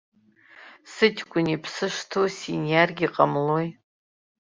Сыҷкәын иԥсы шҭоу синиаргьы ҟамлои?